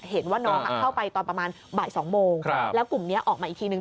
เห็นว่าน้องเข้าไปตอนประมาณบ่าย๒โมงแล้วกลุ่มนี้ออกมาอีกทีนึง